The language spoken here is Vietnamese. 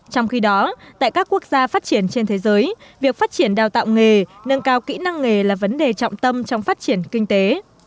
trong khi đó tại các quốc gia phát triển trên thế giới việc phát triển đào tạo nghề nâng cao kỹ năng nghề là vấn đề trọng tâm trong phát triển kinh tế